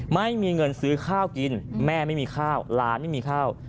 ไม่มีเงินซื้อข้าวกินแม่ไม่มีข้าวหลานไม่มีข้าว